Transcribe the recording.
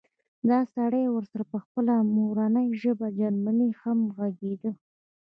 دا سړی ورسره په خپله مورنۍ ژبه جرمني هم غږېده